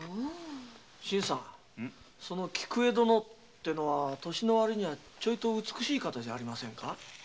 新さんその菊江殿って年の割にはちょいと美しい方ではありませんか？